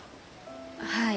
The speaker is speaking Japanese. はい。